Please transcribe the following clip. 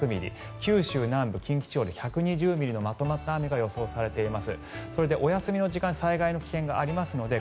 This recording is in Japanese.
九州南部、近畿で１２０ミリのまとまった雨が予想されています。